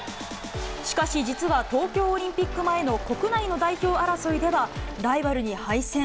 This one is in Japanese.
しかし、実は東京オリンピック前の国内の代表争いでは、ライバルに敗戦。